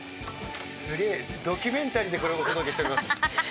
すげぇドキュメンタリーでこれお届けしております。